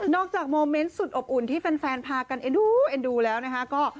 จากโมเมนต์สุดอบอุ่นที่แฟนพากันเอ็นดูเอ็นดูแล้วนะคะ